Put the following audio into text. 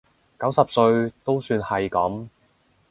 九十歲都算係噉